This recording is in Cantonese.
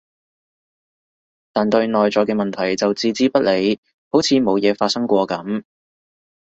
但對內在嘅問題就置之不理，好似冇嘢發生過噉